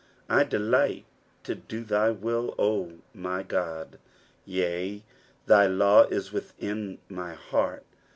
8 I delight to do thy will, O my God : yea, thy law is within my heart.